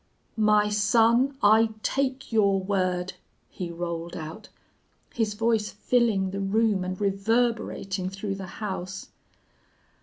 "'My son, I take your word!' he rolled out, his voice filling the room and reverberating through the house.